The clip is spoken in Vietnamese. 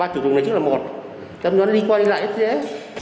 ba chủ quần này trước là một chắc nó đi quay lại hết rồi đấy